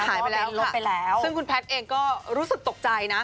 หายไปแล้วลบไปแล้วซึ่งคุณแพทย์เองก็รู้สึกตกใจนะ